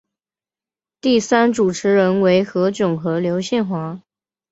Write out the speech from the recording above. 第三季主持人为何炅和刘宪华。